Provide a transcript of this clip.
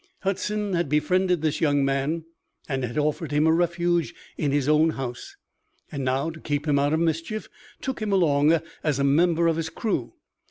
Hudson had befriended this young man and had offered him a refuge in his own house and now, to keep him out of mischief, took him along as a member of his crew.